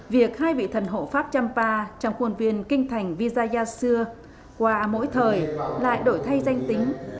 việc hai vị thần hộ pháp trăm ba trong khuôn viên kinh thành vizayasura qua mỗi thời lại đổi thay danh tính